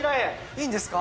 いいんですか？